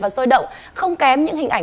và sôi động không kém những hình ảnh